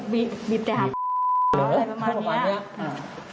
บีบแต่หักอะไรประมาณเนี้ย